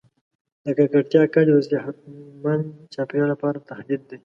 د ککړتیا کچه د صحتمند چاپیریال لپاره تهدید دی.